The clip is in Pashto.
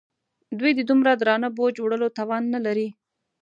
دوی د دومره درانه بوج وړلو توان نه لري.